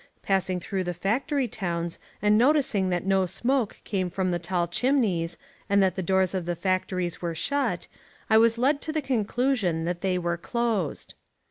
Passing through the factory towns and noticing that no smoke came from the tall chimneys and that the doors of the factories were shut, I was led to the conclusion that they were closed.